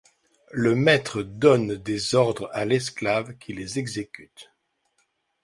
Le maître donne des ordres à l'esclave qui les exécute.